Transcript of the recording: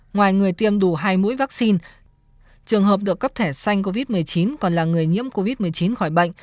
ngoài người tiêm đủ hai mũi vaccine trường hợp được cấp thẻ xanh covid một mươi chín còn là người nhiễm covid một mươi chín khỏi bệnh